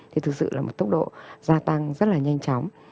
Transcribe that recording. thì thực sự là một tốc độ gia tăng rất là nhanh chóng